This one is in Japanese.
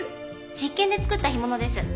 実験で作った干物です。